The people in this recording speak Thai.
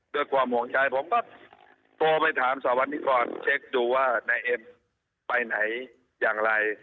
ด้วยความห่วงใจผมก็โทรไปถามสวรรณิกรเช็คดูว่านายเอ็มไปไหนอย่างไร